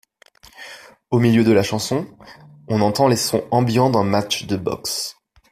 Au milieu de la chanson, on entend les sons ambiants d'un match de boxe.